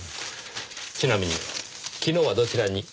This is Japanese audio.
ちなみに昨日はどちらに？